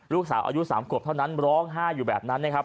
ลูกสาวอายุ๓ขวบเท่านั้นร้องไห้อยู่แบบนั้นนะครับ